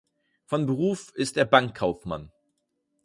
Von Beruf ist er Bankkaufmann.